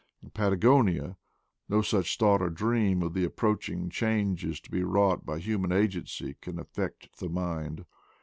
In Patagonia no such thought or dream of the approaching changes to be wrought by hu man agency can affect the mind.